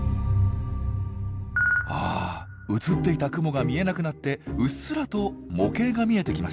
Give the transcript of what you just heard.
あ映っていた雲が見えなくなってうっすらと模型が見えてきました。